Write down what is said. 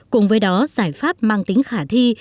cùng với đó giải pháp mang tính khả thi